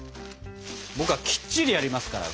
僕はきっちりやりますから。